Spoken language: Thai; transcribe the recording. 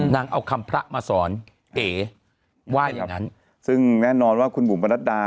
นางเอาคำพระมาสอนเอว่าอย่างนั้นซึ่งแน่นอนว่าคุณบุ๋มประนัดดา